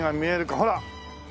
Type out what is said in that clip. ほら！